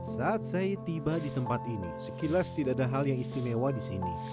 saat saya tiba di tempat ini sekilas tidak ada hal yang istimewa di sini